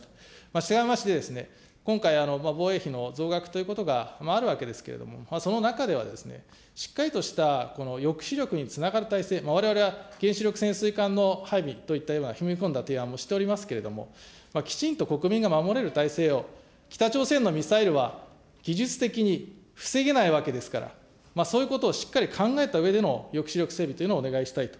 したがいまして、今回、防衛費の増額ということがあるわけですけれども、その中ではしっかりとした抑止力につながる体制、われわれは原子力潜水艦の配備といったような踏み込んだ提案もしておりますけれども、きちんと国民が守れる体制を、北朝鮮のミサイルは技術的に防げないわけですから、そういうことをしっかり考えたうえでの抑止力整備というのをお願いしたいと。